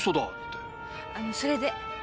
あのそれで？